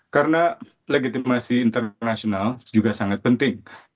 karena legitimasi internasional juga sangat penting